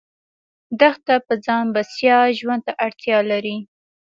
دښته په ځان بسیا ژوند ته اړتیا لري.